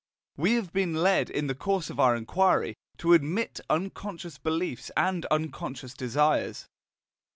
We have been led, in the course of our inquiry, to admit unconscious beliefs and unconscious desires.